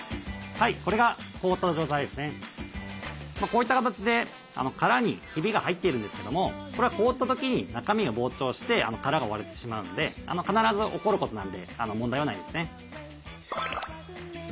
こういった形で殻にひびが入っているんですけどもこれは凍った時に中身が膨張して殻が割れてしまうので必ず起こることなんで問題はないですね。